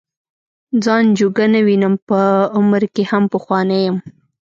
ځان جوګه نه وینم په عمر کې هم پخوانی یم.